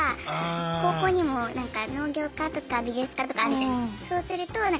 高校にも農業科とか美術科とかあるじゃないですか。